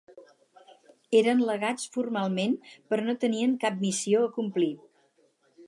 Eren legats formalment però no tenien cap missió a complir.